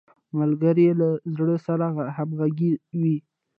ملګری له زړه سره همږغی وي